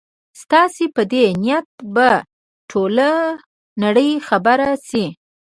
ستاسي په دې نیت به ټوله نړۍ خبره شي.